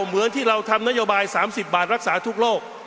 เหมือนที่เราทำนโยบาย๓๐บาทรักษาทุกโรค